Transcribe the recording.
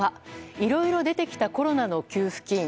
いろいろ出てきたコロナの給付金。